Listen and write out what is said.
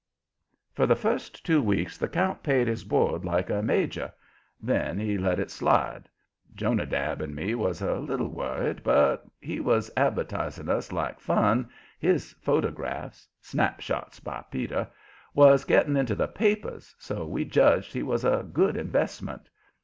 For the first two weeks the count paid his board like a major; then he let it slide. Jonadab and me was a little worried, but he was advertising us like fun, his photographs snap shots by Peter was getting into the papers, so we judged he was a good investment.